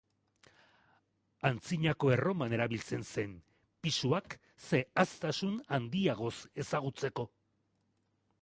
Antzinako Erroman erabiltzen zen, pisuak zehaztasun handiagoz ezagutzeko.